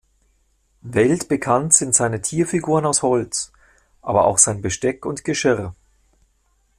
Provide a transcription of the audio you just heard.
Weltbekannt sind seine Tierfiguren aus Holz, aber auch sein Besteck und Geschirr.